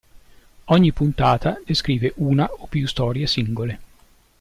Ogni puntata descrive una o più storie singole.